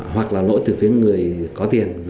hoặc là lỗi từ phía người có tiền